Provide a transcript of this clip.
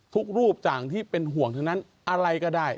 ทุกรูปจากที่เป็นห่วงถึงนั้นอะไรก็ได้